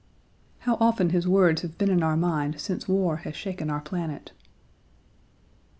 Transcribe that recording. How often his words have been in our mind since war has shaken our planet.